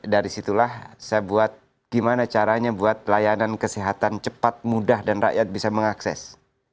dari situlah saya buat gimana caranya buat layanan kesehatan cepat mudah dan rakyat bisa mengakses